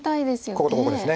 こことここですね。